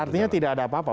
artinya tidak ada apa apa